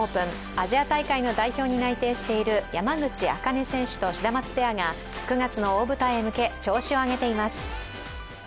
アジア大会の代表に内定している山口茜選手とシダマツペアが９月の大舞台へ向け調子を上げています。